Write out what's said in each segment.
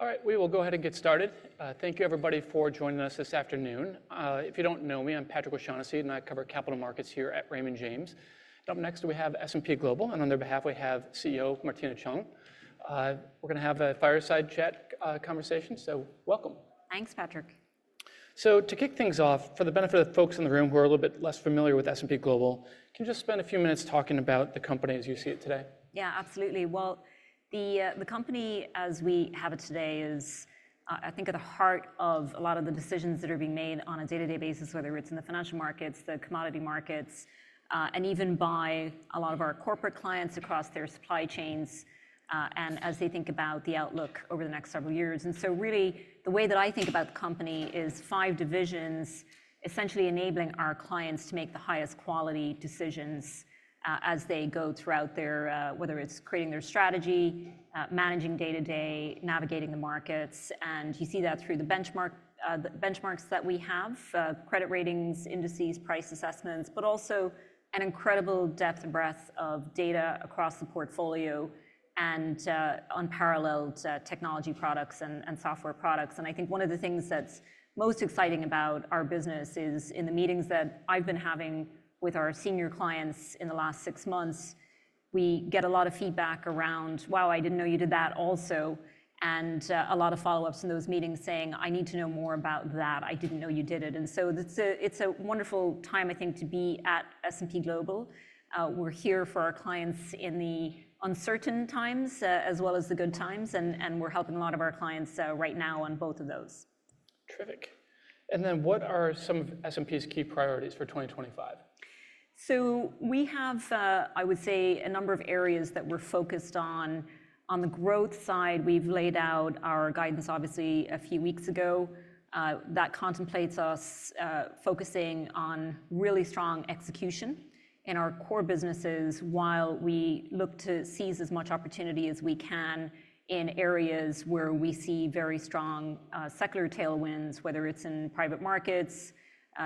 All right, we will go ahead and get started. Thank you, everybody, for joining us this afternoon. If you don't know me, I'm Patrick O'Shaughnessy, and I cover capital markets here at Raymond James. Up next, we have S&P Global, and on their behalf, we have CEO Martina Cheung. We're going to have a fireside chat conversation, so welcome. Thanks, Patrick. So, to kick things off, for the benefit of the folks in the room who are a little bit less familiar with S&P Global, can you just spend a few minutes talking about the company as you see it today? Yeah, absolutely. Well, the company, as we have it today, is, I think, at the heart of a lot of the decisions that are being made on a day-to-day basis, whether it's in the financial markets, the commodity markets, and even by a lot of our corporate clients across their supply chains and as they think about the outlook over the next several years. And so, really, the way that I think about the company is five divisions essentially enabling our clients to make the highest quality decisions as they go throughout their, whether it's creating their strategy, managing day-to-day, navigating the markets. And you see that through the benchmarks that we have: credit ratings, indices, price assessments, but also an incredible depth and breadth of data across the portfolio and unparalleled technology products and software products. And I think one of the things that's most exciting about our business is, in the meetings that I've been having with our senior clients in the last six months, we get a lot of feedback around, "Wow, I didn't know you did that also," and a lot of follow-ups in those meetings saying, "I need to know more about that. I didn't know you did it." And so, it's a wonderful time, I think, to be at S&P Global. We're here for our clients in the uncertain times as well as the good times, and we're helping a lot of our clients right now on both of those. Terrific. And then what are some of S&P's key priorities for 2025? We have, I would say, a number of areas that we're focused on. On the growth side, we've laid out our guidance, obviously, a few weeks ago that contemplates us focusing on really strong execution in our core businesses while we look to seize as much opportunity as we can in areas where we see very strong secular tailwinds, whether it's in private markets,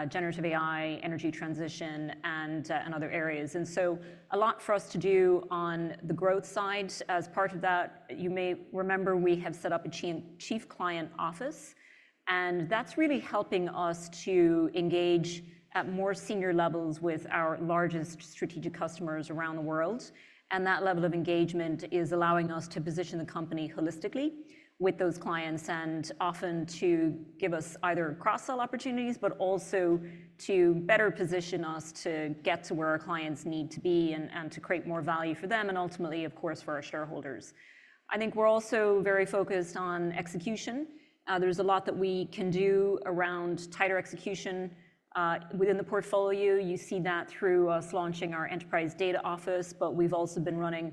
generative AI, energy transition, and other areas. A lot for us to do on the growth side. As part of that, you may remember we have set up a Chief Client Office, and that's really helping us to engage at more senior levels with our largest strategic customers around the world. That level of engagement is allowing us to position the company holistically with those clients and often to give us either cross-sell opportunities, but also to better position us to get to where our clients need to be and to create more value for them and ultimately, of course, for our shareholders. I think we're also very focused on execution. There's a lot that we can do around tighter execution within the portfolio. You see that through us launching our Enterprise Data Office, but we've also been running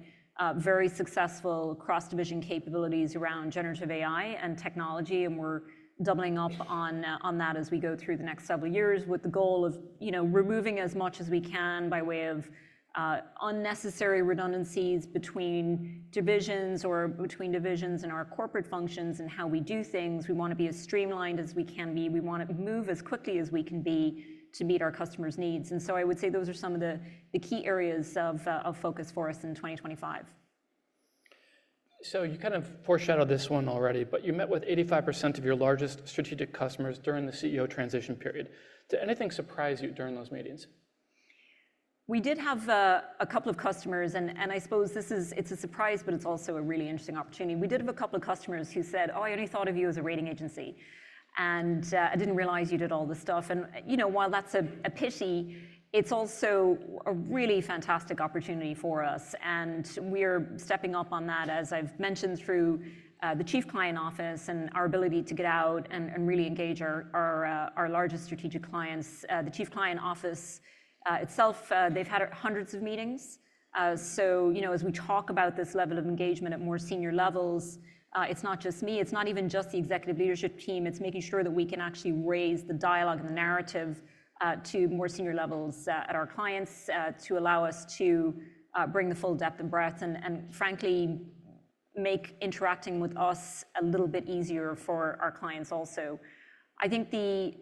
very successful cross-division capabilities around generative AI and technology, and we're doubling up on that as we go through the next several years with the goal of removing as much as we can by way of unnecessary redundancies between divisions or between divisions in our corporate functions and how we do things. We want to be as streamlined as we can be. We want to move as quickly as we can be to meet our customers' needs. And so, I would say those are some of the key areas of focus for us in 2025. So, you kind of foreshadowed this one already, but you met with 85% of your largest strategic customers during the CEO transition period. Did anything surprise you during those meetings? We did have a couple of customers, and I suppose this is, it's a surprise, but it's also a really interesting opportunity. We did have a couple of customers who said, "Oh, I only thought of you as a rating agency, and I didn't realize you did all this stuff." And, you know, while that's a pity, it's also a really fantastic opportunity for us, and we're stepping up on that, as I've mentioned, through the Chief Client Office and our ability to get out and really engage our largest strategic clients. The Chief Client Office itself, they've had hundreds of meetings. So, you know, as we talk about this level of engagement at more senior levels, it's not just me. It's not even just the Executive Leadership Team. It's making sure that we can actually raise the dialogue and the narrative to more senior levels at our clients to allow us to bring the full depth and breadth and, frankly, make interacting with us a little bit easier for our clients also. I think the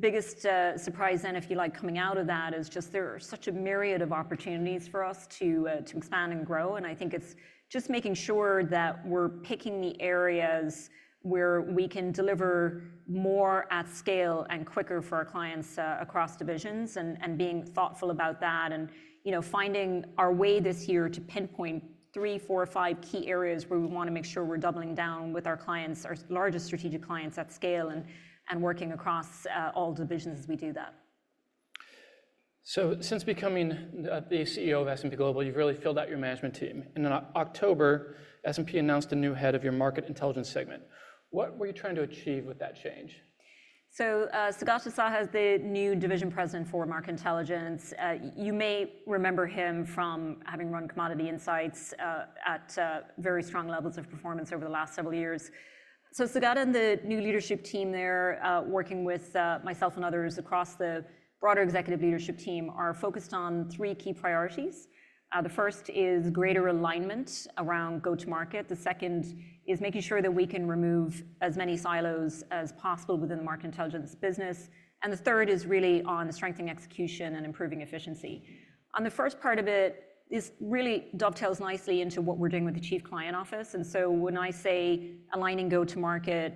biggest surprise, then, if you like, coming out of that is just there are such a myriad of opportunities for us to expand and grow, and I think it's just making sure that we're picking the areas where we can deliver more at scale and quicker for our clients across divisions and being thoughtful about that and, you know, finding our way this year to pinpoint three, four, five key areas where we want to make sure we're doubling down with our clients, our largest strategic clients, at scale and working across all divisions as we do that. Since becoming the CEO of S&P Global, you've really filled out your management team. In October, S&P announced a new head of your Market Intelligence segment. What were you trying to achieve with that change? So, Saugata Saha, the new division president for Market Intelligence. You may remember him from having run Commodity Insights at very strong levels of performance over the last several years. So, Saugata and the new leadership team there, working with myself and others across the broader executive leadership team, are focused on three key priorities. The first is greater alignment around go-to-market. The second is making sure that we can remove as many silos as possible within the Market Intelligence business, and the third is really on strengthening execution and improving efficiency. On the first part of it, this really dovetails nicely into what we're doing with the Chief Client Office. And so, when I say aligning go-to-market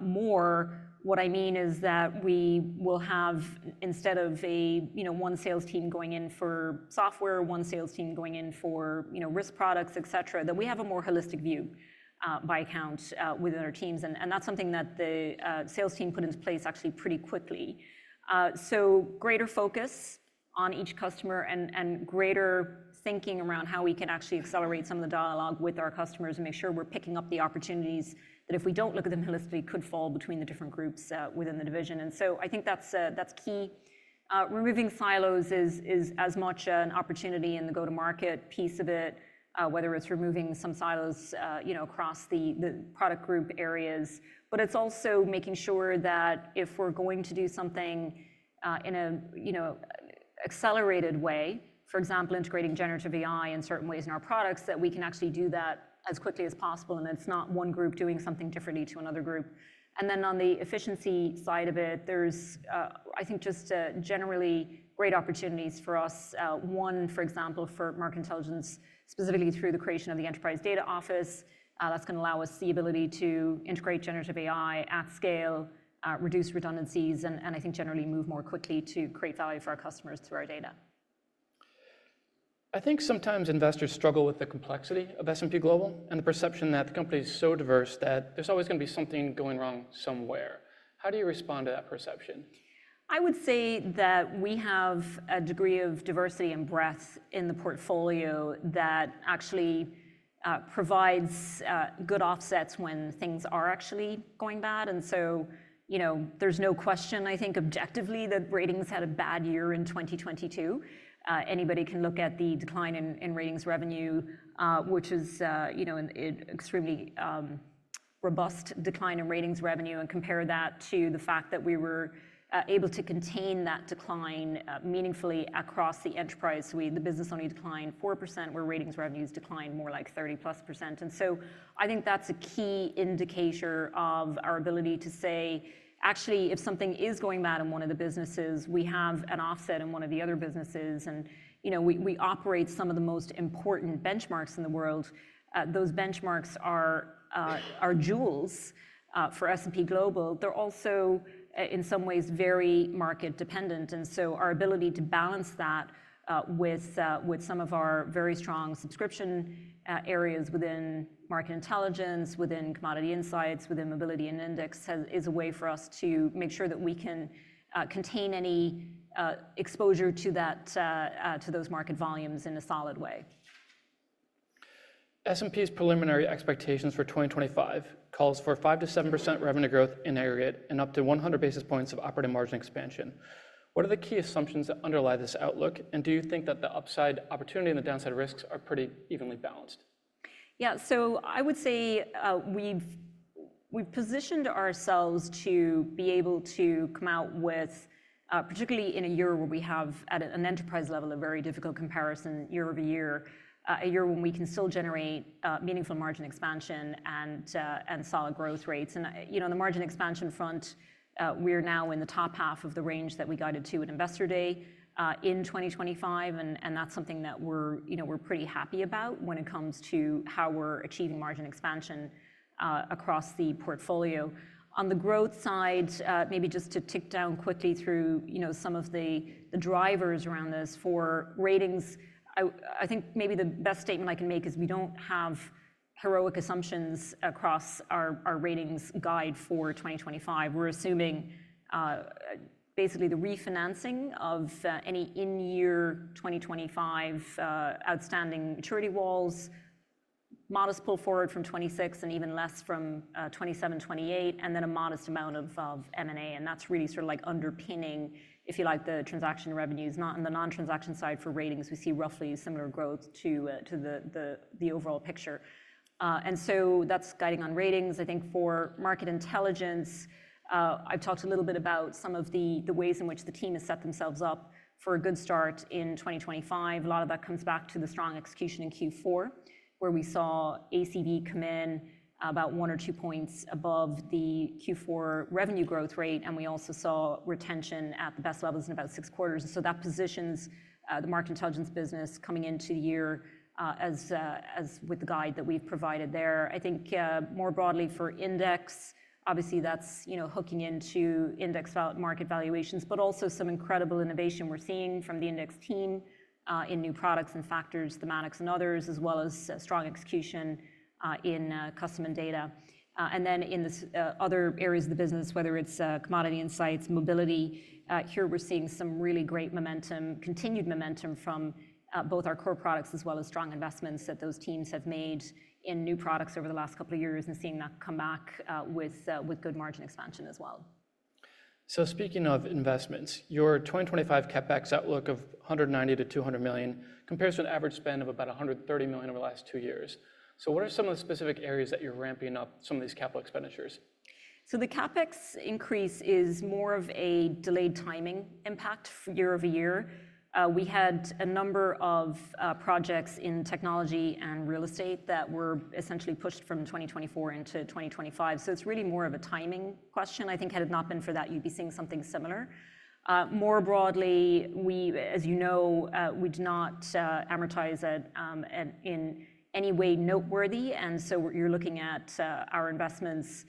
more, what I mean is that we will have, instead of a, you know, one sales team going in for software, one sales team going in for, you know, risk products, et cetera, that we have a more holistic view by account within our teams. And that's something that the sales team put into place actually pretty quickly. So, greater focus on each customer and greater thinking around how we can actually accelerate some of the dialogue with our customers and make sure we're picking up the opportunities that, if we don't look at them holistically, could fall between the different groups within the division. And so, I think that's key. Removing silos is as much an opportunity in the go-to-market piece of it, whether it's removing some silos, you know, across the product group areas. But it's also making sure that if we're going to do something in a, you know, accelerated way, for example, integrating generative AI in certain ways in our products, that we can actually do that as quickly as possible and that it's not one group doing something differently to another group. And then on the efficiency side of it, there's, I think, just generally great opportunities for us. One, for example, for Market Intelligence, specifically through the creation of the Enterprise Data Office. That's going to allow us the ability to integrate generative AI at scale, reduce redundancies, and I think generally move more quickly to create value for our customers through our data. I think sometimes investors struggle with the complexity of S&P Global and the perception that the company is so diverse that there's always going to be something going wrong somewhere. How do you respond to that perception? I would say that we have a degree of diversity and breadth in the portfolio that actually provides good offsets when things are actually going bad. And so, you know, there's no question, I think, objectively, that Ratings had a bad year in 2022. Anybody can look at the decline in Ratings revenue, which is, you know, an extremely robust decline in Ratings revenue, and compare that to the fact that we were able to contain that decline meaningfully across the enterprise. The business only declined 4%, where Ratings revenues declined more like 30+%. And so, I think that's a key indicator of our ability to say, actually, if something is going bad in one of the businesses, we have an offset in one of the other businesses. And, you know, we operate some of the most important benchmarks in the world. Those benchmarks are jewels for S&P Global. They're also, in some ways, very market-dependent. And so, our ability to balance that with some of our very strong subscription areas within Market Intelligence, within Commodity Insights, within Mobility and Index is a way for us to make sure that we can contain any exposure to those market volumes in a solid way. S&P's preliminary expectations for 2025 call for 5%-7% revenue growth in aggregate and up to 100 basis points of operating margin expansion. What are the key assumptions that underlie this outlook? And do you think that the upside opportunity and the downside risks are pretty evenly balanced? Yeah, so I would say we've positioned ourselves to be able to come out with, particularly in a year where we have, at an enterprise level, a very difficult comparison year-over-year, a year when we can still generate meaningful margin expansion and solid growth rates, and you know, on the margin expansion front, we're now in the top half of the range that we guided to at Investor Day in 2025, and that's something that we're, you know, we're pretty happy about when it comes to how we're achieving margin expansion across the portfolio. On the growth side, maybe just to tick down quickly through, you know, some of the drivers around this for Ratings, I think maybe the best statement I can make is we don't have heroic assumptions across our Ratings guide for 2025. We're assuming basically the refinancing of any in-year 2025 outstanding maturity walls, modest pull forward from 2026 and even less from 2027, 2028, and then a modest amount of M&A. And that's really sort of like underpinning, if you like, the transaction revenues. And on the non-transaction side for Ratings, we see roughly similar growth to the overall picture. And so, that's guiding on Ratings. I think for Market Intelligence, I've talked a little bit about some of the ways in which the team has set themselves up for a good start in 2025. A lot of that comes back to the strong execution in Q4, where we saw ACV come in about one or two points above the Q4 revenue growth rate, and we also saw retention at the best levels in about six quarters. And so, that positions the Market Intelligence business coming into the year as with the guide that we've provided there. I think more broadly for index, obviously that's, you know, hooking into index market valuations, but also some incredible innovation we're seeing from the index team in new products and factors, thematics and others, as well as strong execution in custom and data. And then in other areas of the business, whether it's Commodity Insights, mobility, here we're seeing some really great momentum, continued momentum from both our core products as well as strong investments that those teams have made in new products over the last couple of years and seeing that come back with good margin expansion as well. So, speaking of investments, your 2025 CapEx outlook of $190 million-$200 million compares to an average spend of about $130 million over the last two years. So, what are some of the specific areas that you're ramping up some of these capital expenditures? The CapEx increase is more of a delayed timing impact year-over-year. We had a number of projects in technology and real estate that were essentially pushed from 2024 into 2025. It's really more of a timing question. I think had it not been for that, you'd be seeing something similar. More broadly, we, as you know, we do not amortize in any way noteworthy. And so, you're looking at our investments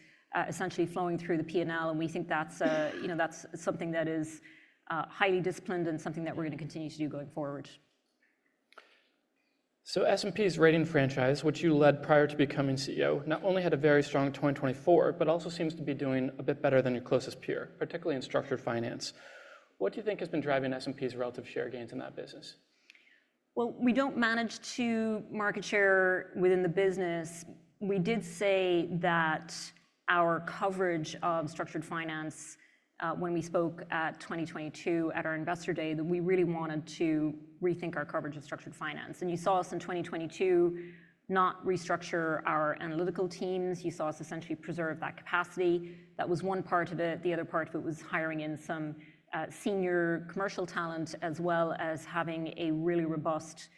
essentially flowing through the P&L, and we think that's, you know, that's something that is highly disciplined and something that we're going to continue to do going forward. So, S&P's rating franchise, which you led prior to becoming CEO, not only had a very strong 2024, but also seems to be doing a bit better than your closest peer, particularly in structured finance. What do you think has been driving S&P's relative share gains in that business? We don't manage the market share within the business. We did say that our coverage of structured finance, when we spoke in 2022 at our Investor Day, that we really wanted to rethink our coverage of structured finance. You saw us in 2022 not restructure our analytical teams. You saw us essentially preserve that capacity. That was one part of it. The other part of it was hiring in some senior commercial talent as well as having a really robust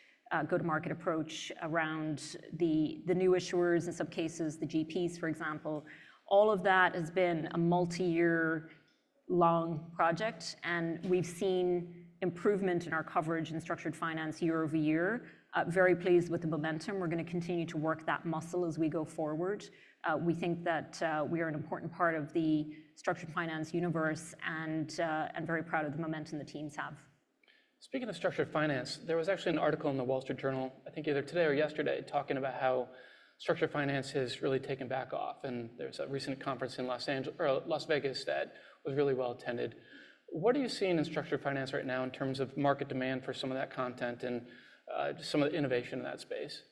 go-to-market approach around the new issuers and, in some cases, the GPs, for example. All of that has been a multi-year-long project, and we've seen improvement in our coverage in structured finance year-over-year. Very pleased with the momentum. We're going to continue to work that muscle as we go forward. We think that we are an important part of the structured finance universe and very proud of the momentum the teams have. Speaking of structured finance, there was actually an article in the Wall Street Journal, I think either today or yesterday, talking about how structured finance has really taken back off. And there's a recent conference in Las Vegas that was really well attended. What are you seeing in structured finance right now in terms of market demand for some of that content and some of the innovation in that space?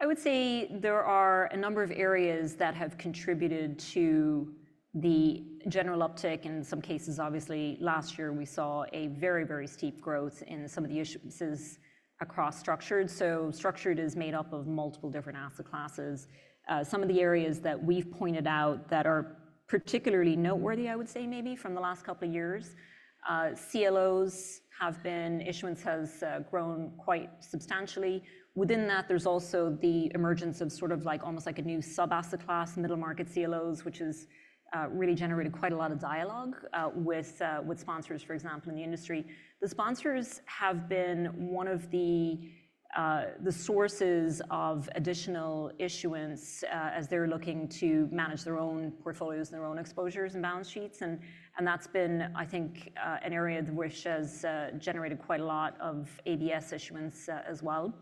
I would say there are a number of areas that have contributed to the general uptick. In some cases, obviously, last year we saw a very, very steep growth in some of the issuances across structured. So, structured is made up of multiple different asset classes. Some of the areas that we've pointed out that are particularly noteworthy, I would say, maybe from the last couple of years, CLO issuance has grown quite substantially. Within that, there's also the emergence of sort of like almost like a new sub-asset class, middle market CLOs, which has really generated quite a lot of dialogue with sponsors, for example, in the industry. The sponsors have been one of the sources of additional issuance as they're looking to manage their own portfolios and their own exposures and balance sheets. And that's been, I think, an area which has generated quite a lot of ABS issuance as well.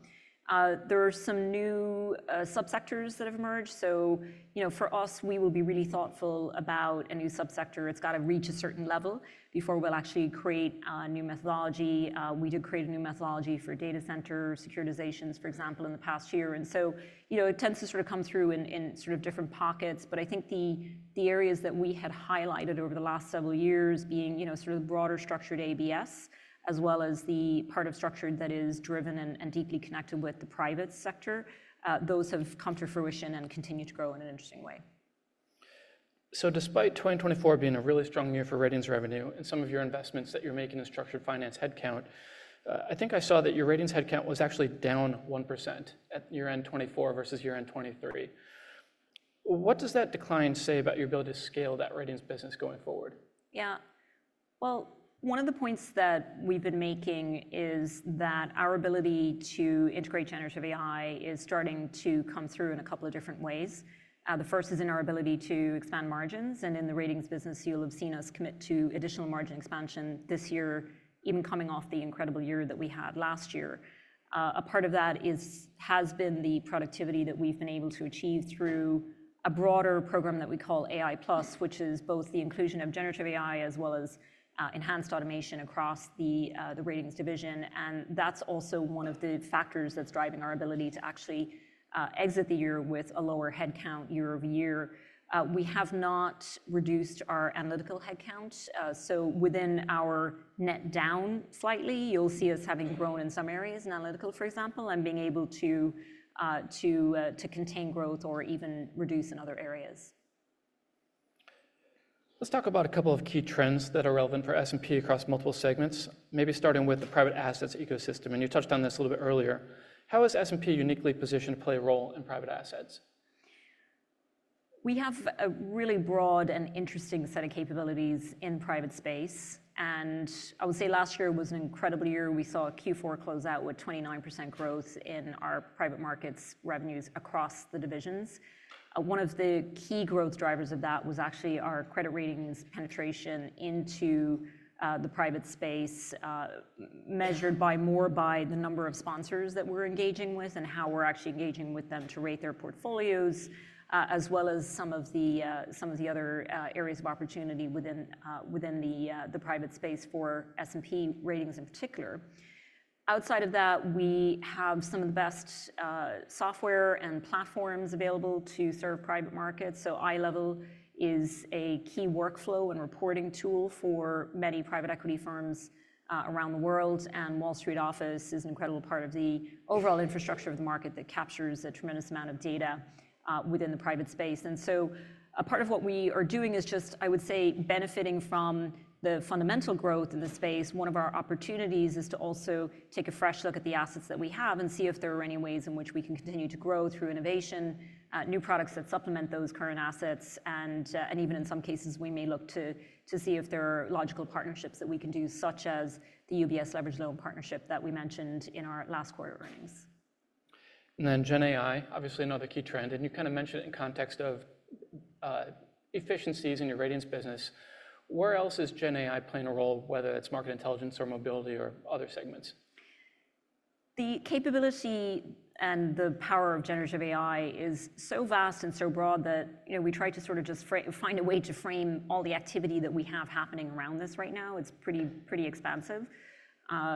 There are some new subsectors that have emerged. So, you know, for us, we will be really thoughtful about a new subsector. It's got to reach a certain level before we'll actually create a new methodology. We did create a new methodology for data center securitizations, for example, in the past year. And so, you know, it tends to sort of come through in sort of different pockets. But I think the areas that we had highlighted over the last several years being, you know, sort of broader structured ABS, as well as the part of structured that is driven and deeply connected with the private sector, those have come to fruition and continue to grow in an interesting way. Despite 2024 being a really strong year for Ratings revenue and some of your investments that you're making in structured finance headcount, I think I saw that your Ratings headcount was actually down 1% at year-end 2024 versus year-end 2023. What does that decline say about your ability to scale that Ratings business going forward? Yeah. Well, one of the points that we've been making is that our ability to integrate generative AI is starting to come through in a couple of different ways. The first is in our ability to expand margins. And in the Ratings business, you'll have seen us commit to additional margin expansion this year, even coming off the incredible year that we had last year. A part of that has been the productivity that we've been able to achieve through a broader program that we call AI+, which is both the inclusion of generative AI as well as enhanced automation across the Ratings division. And that's also one of the factors that's driving our ability to actually exit the year with a lower headcount year-over-year. We have not reduced our analytical headcount. So, within our net down slightly, you'll see us having grown in some areas in analytical, for example, and being able to contain growth or even reduce in other areas. Let's talk about a couple of key trends that are relevant for S&P across multiple segments, maybe starting with the private assets ecosystem, and you touched on this a little bit earlier. How is S&P uniquely positioned to play a role in private assets? We have a really broad and interesting set of capabilities in private space, and I would say last year was an incredible year. We saw Q4 close out with 29% growth in our private markets revenues across the divisions. One of the key growth drivers of that was actually our credit ratings penetration into the private space, measured more by the number of sponsors that we're engaging with and how we're actually engaging with them to rate their portfolios, as well as some of the other areas of opportunity within the private space for S&P Ratings in particular. Outside of that, we have some of the best software and platforms available to serve private markets, so iLevel is a key workflow and reporting tool for many private equity firms around the world. Wall Street Office is an incredible part of the overall infrastructure of the market that captures a tremendous amount of data within the private space, so a part of what we are doing is just, I would say, benefiting from the fundamental growth in the space. One of our opportunities is to also take a fresh look at the assets that we have and see if there are any ways in which we can continue to grow through innovation, new products that supplement those current assets, even in some cases, we may look to see if there are logical partnerships that we can do, such as the UBS Leveraged Loan Partnership that we mentioned in our last quarter earnings. And then Gen AI, obviously another key trend. And you kind of mentioned it in context of efficiencies in your Ratings business. Where else is GenAI playing a role, whether it's Market Intelligence or mobility or other segments? The capability and the power of generative AI is so vast and so broad that, you know, we try to sort of just find a way to frame all the activity that we have happening around this right now. It's pretty expansive,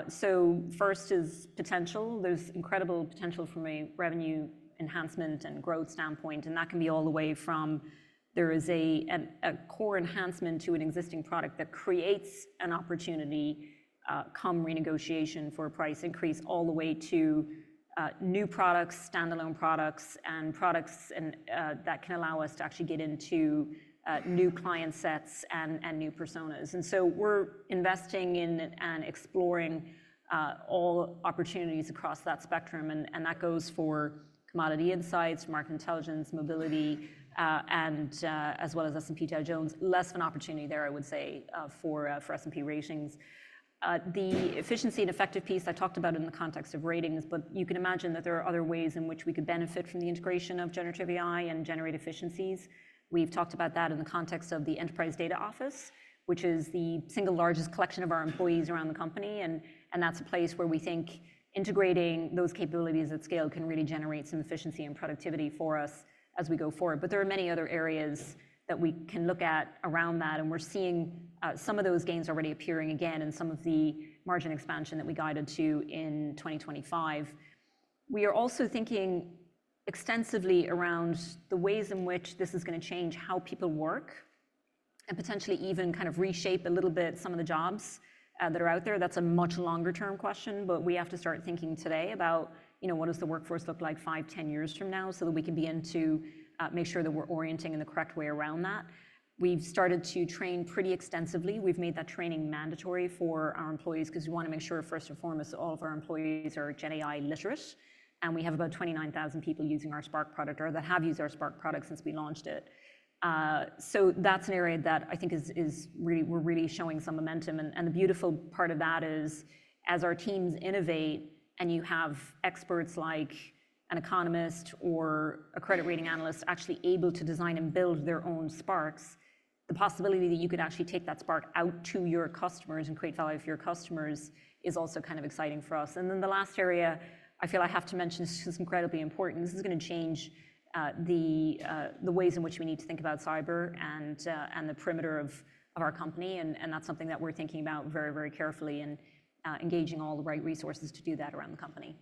so first is potential. There's incredible potential from a revenue enhancement and growth standpoint, and that can be all the way from there is a core enhancement to an existing product that creates an opportunity come renegotiation for a price increase, all the way to new products, standalone products, and products that can allow us to actually get into new client sets and new personas, and so we're investing in and exploring all opportunities across that spectrum, and that goes for Commodity Insights, Market Intelligence, Mobility, and as well as S&P Dow Jones. Less of an opportunity there, I would say, for S&P Ratings. The efficiency and effective piece I talked about in the context of Ratings, but you can imagine that there are other ways in which we could benefit from the integration of generative AI and generate efficiencies. We've talked about that in the context of the Enterprise Data Office, which is the single largest collection of our employees around the company, and that's a place where we think integrating those capabilities at scale can really generate some efficiency and productivity for us as we go forward, but there are many other areas that we can look at around that, and we're seeing some of those gains already appearing again in some of the margin expansion that we guided to in 2025. We are also thinking extensively around the ways in which this is going to change how people work and potentially even kind of reshape a little bit some of the jobs that are out there. That's a much longer-term question, but we have to start thinking today about, you know, what does the workforce look like five, ten years from now so that we can begin to make sure that we're orienting in the correct way around that. We've started to train pretty extensively. We've made that training mandatory for our employees because we want to make sure, first and foremost, all of our employees are Gen AI literate. And we have about 29,000 people using our Spark product or that have used our Spark product since we launched it. So, that's an area that I think we're really showing some momentum. And the beautiful part of that is, as our teams innovate and you have experts like an economist or a credit rating analyst actually able to design and build their own Sparks, the possibility that you could actually take that Spark out to your customers and create value for your customers is also kind of exciting for us. And then the last area I feel I have to mention is just incredibly important. This is going to change the ways in which we need to think about cyber and the perimeter of our company. And that's something that we're thinking about very, very carefully and engaging all the right resources to do that around the company.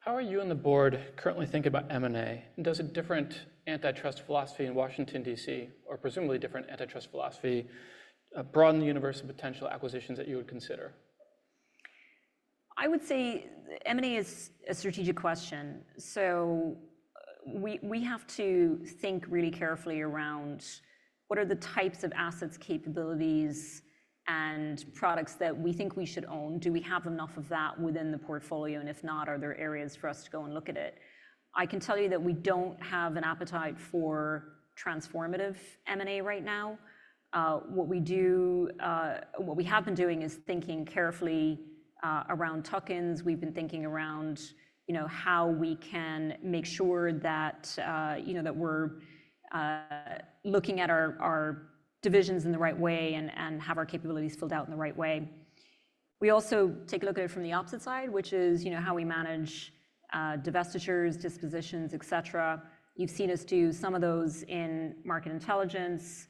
How are you and the board currently thinking about M&A? And does a different antitrust philosophy in Washington, D.C., or presumably different antitrust philosophy, broaden the universe of potential acquisitions that you would consider? I would say M&A is a strategic question. So, we have to think really carefully around what are the types of assets, capabilities, and products that we think we should own. Do we have enough of that within the portfolio? And if not, are there areas for us to go and look at it? I can tell you that we don't have an appetite for transformative M&A right now. What we do, what we have been doing is thinking carefully around tuck-ins. We've been thinking around, you know, how we can make sure that, you know, that we're looking at our divisions in the right way and have our capabilities filled out in the right way. We also take a look at it from the opposite side, which is, you know, how we manage divestitures, dispositions, et cetera. You've seen us do some of those in Market Intelligence.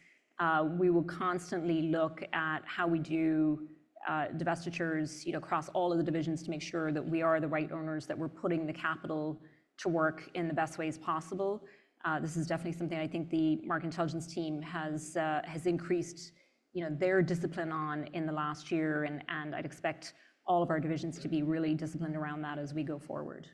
We will constantly look at how we do divestitures, you know, across all of the divisions to make sure that we are the right owners, that we're putting the capital to work in the best ways possible. This is definitely something I think the Market Intelligence team has increased, you know, their discipline on in the last year, and I'd expect all of our divisions to be really disciplined around that as we go forward.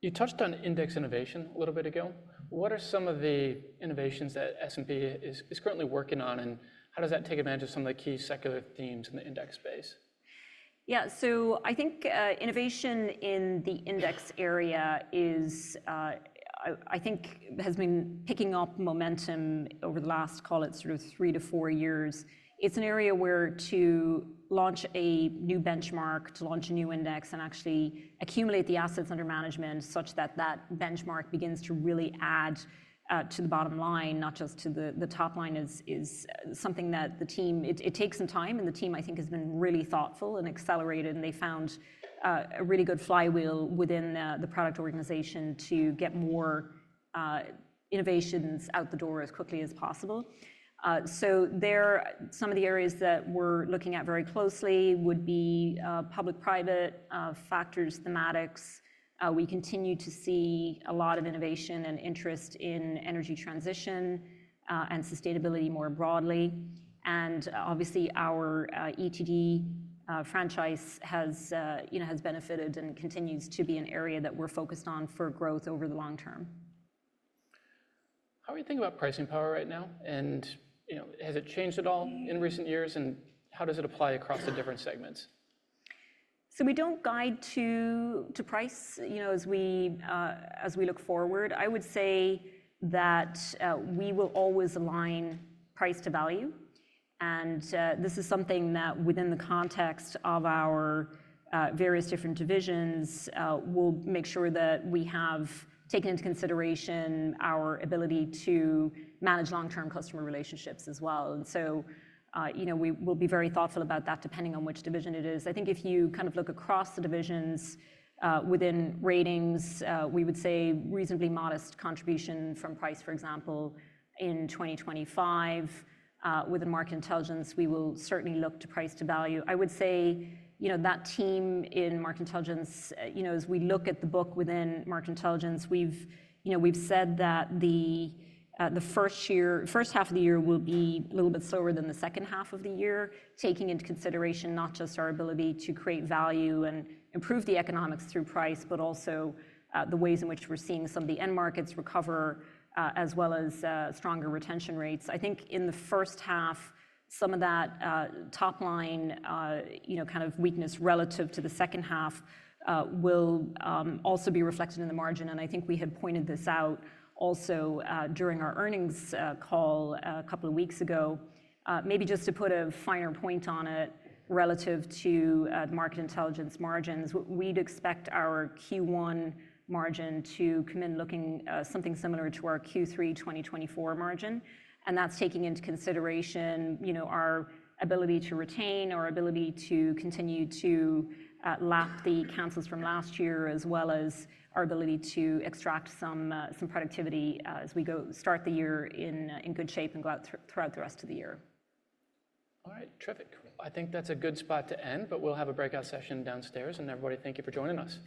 You touched on index innovation a little bit ago. What are some of the innovations that S&P is currently working on, and how does that take advantage of some of the key secular themes in the index space? Yeah. So, I think innovation in the index area is, I think, has been picking up momentum over the last, call it sort of three to four years. It's an area where to launch a new benchmark, to launch a new index, and actually accumulate the assets under management such that that benchmark begins to really add to the bottom line, not just to the top line, is something that the team it takes some time. And the team, I think, has been really thoughtful and accelerated. And they found a really good flywheel within the product organization to get more innovations out the door as quickly as possible. So, there are some of the areas that we're looking at very closely would be public-private factors, thematics. We continue to see a lot of innovation and interest in energy transition and sustainability more broadly. Obviously, our ETD franchise has, you know, benefited and continues to be an area that we're focused on for growth over the long term. How are you thinking about pricing power right now, and, you know, has it changed at all in recent years, and how does it apply across the different segments? So, we don't guide to price, you know, as we look forward. I would say that we will always align price to value. And this is something that, within the context of our various different divisions, we'll make sure that we have taken into consideration our ability to manage long-term customer relationships as well. And so, you know, we will be very thoughtful about that depending on which division it is. I think if you kind of look across the divisions within Ratings, we would say reasonably modest contribution from price, for example, in 2025. Within Market Intelligence, we will certainly look to price to value. I would say, you know, that team in Market Intelligence, you know, as we look at the book within Market Intelligence, we've, you know, we've said that the first year, first half of the year will be a little bit slower than the second half of the year, taking into consideration not just our ability to create value and improve the economics through price, but also the ways in which we're seeing some of the end markets recover, as well as stronger retention rates. I think in the first half, some of that top line, you know, kind of weakness relative to the second half will also be reflected in the margin, and I think we had pointed this out also during our earnings call a couple of weeks ago. Maybe just to put a finer point on it relative to Market Intelligence margins, we'd expect our Q1 margin to come in looking something similar to our Q3 2024 margin, and that's taking into consideration, you know, our ability to retain, our ability to continue to lap the cancels from last year, as well as our ability to extract some productivity as we go start the year in good shape and go out throughout the rest of the year. All right. Terrific. I think that's a good spot to end, but we'll have a breakout session downstairs, and everybody, thank you for joining us.